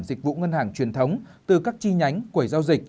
dịch vụ ngân hàng truyền thống từ các chi nhánh quẩy giao dịch